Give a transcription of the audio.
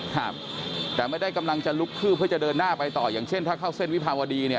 ครับแต่ไม่ได้กำลังจะลุกคืบเพื่อจะเดินหน้าไปต่ออย่างเช่นถ้าเข้าเส้นวิภาวดีเนี่ย